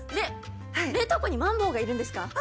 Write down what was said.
れ冷凍庫にマンボウがいるんですか？